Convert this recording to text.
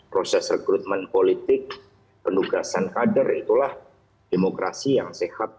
proses rekrutmen politik penugasan kader itulah demokrasi yang sehat